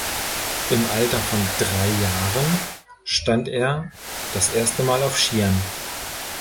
Im Alter von drei Jahren stand er das erste Mal auf Skiern.